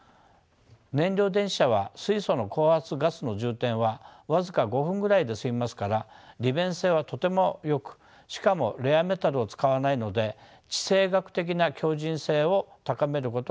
燃料電池車は水素の高圧ガスの充填は僅か５分ぐらいで済みますから利便性はとてもよくしかもレアメタルを使わないので地政学的な強靭性を高めることができます。